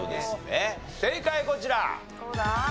正解こちら。